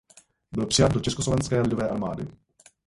Byl přijat do Československé lidové armády.